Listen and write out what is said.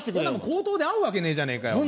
口頭で合うわけねえじゃねえかよ